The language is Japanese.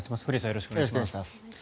よろしくお願いします。